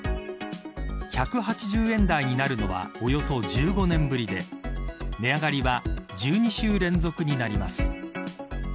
１８０円台になるのはおよそ１５年ぶりで値上がりは１２週連続になります。